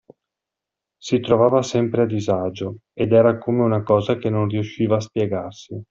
Si trovava sempre a disagio: ed era come una cosa che non riusciva a spiegarsi.